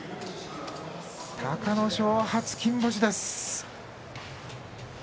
隆の勝、初金星です。